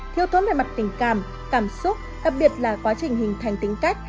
thiếu thốn về mặt tình cảm cảm xúc đặc biệt là quá trình hình thành tính cách